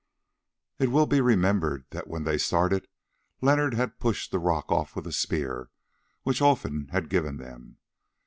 It will be remembered that when they started, Leonard had pushed the rock off with a spear which Olfan had given them.